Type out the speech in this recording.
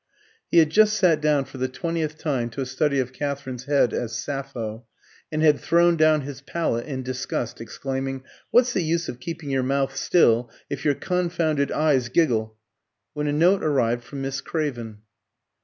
He had just sat down for the twentieth time to a study of Katherine's head as "Sappho," and had thrown down his palette in disgust, exclaiming "What's the use of keeping your mouth still, if your confounded eyes giggle?" when a note arrived from Miss Craven.